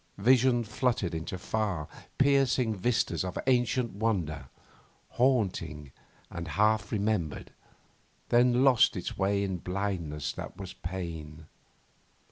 Vision fluttered into far, piercing vistas of ancient wonder, haunting and half remembered, then lost its way in blindness that was pain.